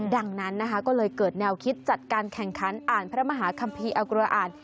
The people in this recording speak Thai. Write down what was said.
ดังนั้นนะคะก็เลยเกิดแนวคิดจัดการแข่งขันอ่านพระมหาคัมภีร์อากุระอ่าน